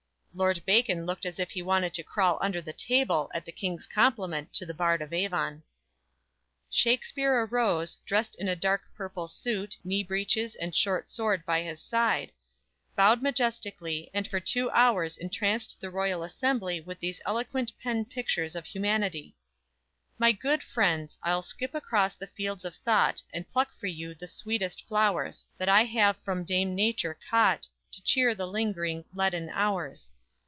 (Lord Bacon looked as if he wanted to crawl under the table at the King's compliment to the Bard of Avon.) Shakspere arose, dressed in a dark purple suit, knee breeches and short sword by his side, bowed majestically, and for two hours entranced the royal assembly with these eloquent pen pictures of humanity: _My good friends; I'll skip across the fields of thought And pluck for you the sweetest flowers, That I have from Dame Nature caught To cheer the lingering, leaden hours.